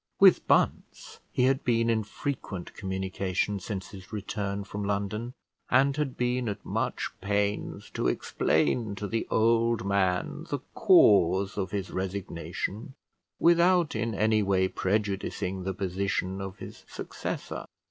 With Bunce he had been in frequent communication since his return from London, and had been at much pains to explain to the old man the cause of his resignation, without in any way prejudicing the position of his successor.